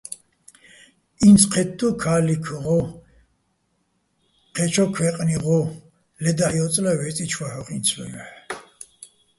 ინც ჴეთთუ́ ქა́ლიქ ღო, ჴე́ჩო̆ ქვეყნი ღო, ლე დაჰ̦ ჲო́წლა ვე́წიჩო̆ ვაჰ̦ოხ ი́ნცლუჼ ჲოჰ̦.